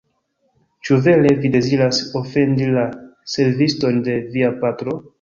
Ĉu vere vi deziras ofendi la serviston de via patro?